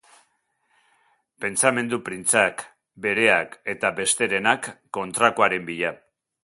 Pentsamentu printzak, bereak eta besterenak, kontrakoaren bila.